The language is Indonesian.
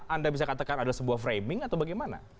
anda bisa katakan adalah sebuah framing atau bagaimana